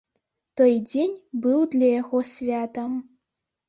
Той дзень быў для яго святам.